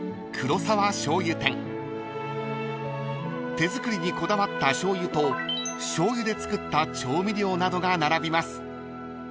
［手作りにこだわった醤油と醤油で作った調味料などが並びます］